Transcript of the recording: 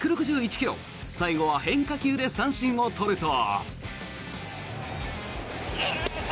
最後は変化球で三振を取ると。